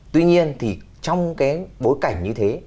tuy nhiên thì trong cái bối cảnh như thế